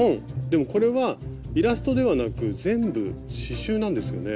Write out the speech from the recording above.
でもこれはイラストではなく全部刺しゅうなんですよね。